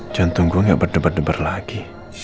jantung gua gak berdebar debar lagi